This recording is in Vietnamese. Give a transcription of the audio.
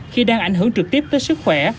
khi đang ảnh hưởng trực tiếp tới sức khỏe